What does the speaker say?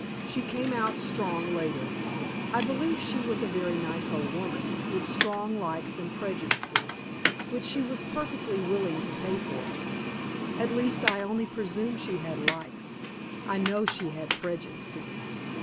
She came out strong later. I believe she was a very nice old woman, with strong likes and prejudices, which she was perfectly willing to pay for. At least, I only presume she had likes; I know she had prejudices.